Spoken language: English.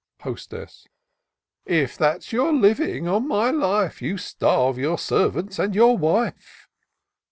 Hostess. *'If that's your living, on my life. You starve your servants and your wife."